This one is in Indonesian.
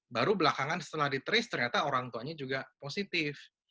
baru belakangan setelah di trace ternyata orang tuanya juga positif